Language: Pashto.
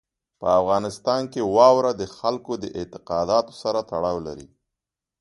په افغانستان کې واوره د خلکو د اعتقاداتو سره تړاو لري.